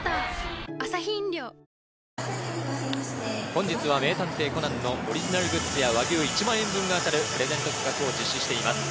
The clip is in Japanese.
本日は『名探偵コナン』のオリジナルグッズや和牛１万円分が当たる企画を実施しています。